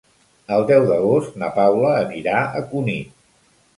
El deu d'agost na Paula anirà a Cunit.